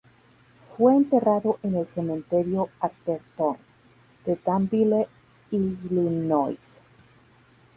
Fue enterrado en el Cementerio Atherton de Danville, Illinois.